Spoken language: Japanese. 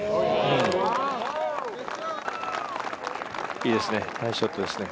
いいですね、ナイスショットですね。